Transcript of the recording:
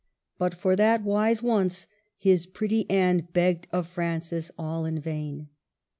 But for that wise once his pretty Anne begged of Francis all in vain.